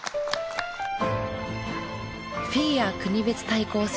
フィギュア国別対抗戦。